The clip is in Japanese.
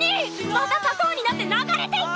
また砂糖になって流れていってますよー！！